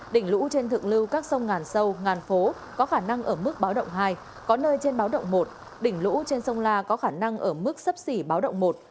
đỉnh lũ trên thượng lưu các sông ngàn sâu ngàn phố có khả năng ở mức báo động hai có nơi trên báo động một đỉnh lũ trên sông la có khả năng ở mức sấp xỉ báo động một